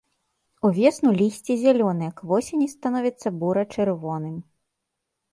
Увесну лісце зялёнае, к восені становіцца бура-чырвоным.